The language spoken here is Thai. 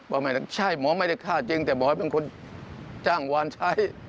ไม่ใช่หมอไม่ได้ฆ่าจริงแต่หมอเป็นคนจ้างวานใช้